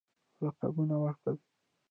لقبونه ورکړل.